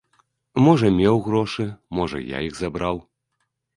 Можа, меў грошы, можа, я іх забраў?